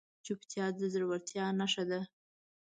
چوپتیا، د زړورتیا نښه ده.